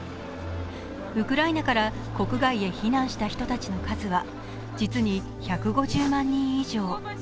ウクライナから国外へ避難した人たちの数は、実に１５０万人以上。